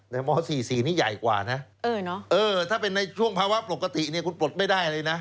แต่ม๔๔นี้ใหญ่กว่านะถ้าเป็นในช่วงภาวะปกติคุณปลดไม่ได้เลยนะ